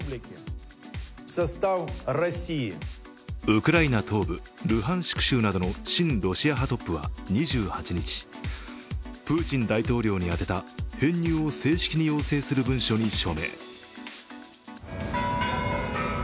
ウクライナ東部、ルハンシク州などの親ロシア派トップは２８日、プーチン大統領に宛てた編入を正式に要請する文書に署名。